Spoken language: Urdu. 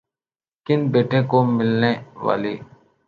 کن بیٹے کو ملنے والی